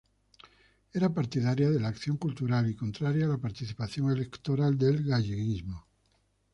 Era partidaria de la acción cultural y contraria a la participación electoral del galleguismo.